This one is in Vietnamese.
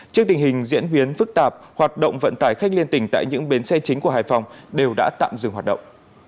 trước tình hình diễn biến phức tạp hoạt động vận tải khách liên tình tại những bến xe chính của hải phòng đều đã tạm dừng hoạt động